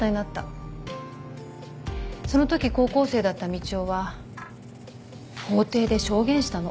そのとき高校生だったみちおは法廷で証言したの。